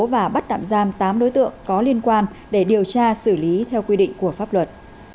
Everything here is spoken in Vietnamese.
và bắt tạm giam tám đối tượng có liên quan để điều tra xử lý theo quy định của pháp luật